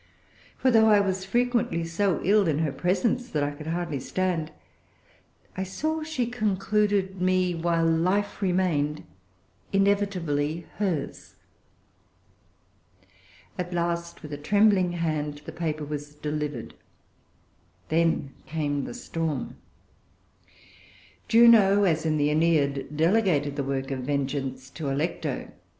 For though I was frequently so ill in her presence that I could hardly stand, I saw she concluded me, while life remained, inevitably hers." At last with a trembling hand the paper was delivered. Then came the storm. Juno, as in the Æneid, delegated the work of vengeance to Alecto.